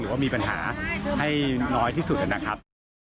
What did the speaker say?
ว่ามีปัญหาให้น้อยที่สุดนะครับ